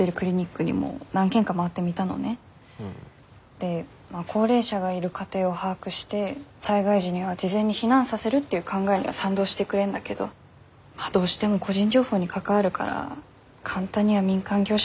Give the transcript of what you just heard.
でまあ高齢者がいる家庭を把握して災害時には事前に避難させるっていう考えには賛同してくれんだけどどうしても個人情報に関わるから簡単には民間業者とは連携できないって。